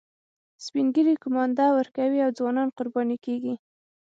سپین ږیري قومانده ورکوي او ځوانان قرباني کیږي